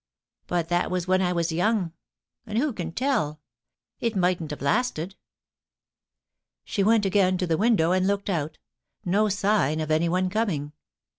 But that was when I was young ; and — who can tell ?— it mightn't have lasted' She went again to the window, and looked out — no sign of anyone coming.